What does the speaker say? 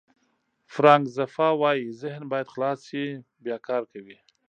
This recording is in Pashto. فرانک زفا وایي ذهن باید خلاص شي بیا کار کوي.